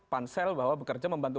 pansel bahwa bekerja membantu